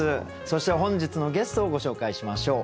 そして本日のゲストをご紹介しましょう。